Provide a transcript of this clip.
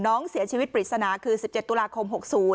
น้องเสียชีวิตปริศนาคือ๑๗ตุลาคม๖๐